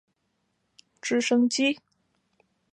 因为有大幅放大所以还能用来对付轻车辆甚至直升机。